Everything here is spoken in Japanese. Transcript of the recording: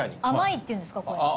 甘いっていうんですかね